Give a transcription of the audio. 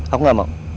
aku gak mau